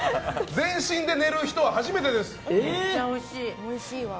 全身で寝る人は初めてです。